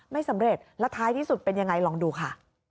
ไม่สำเร็จแล้วท้ายที่สุดเป็นยังไงลองดูค่ะ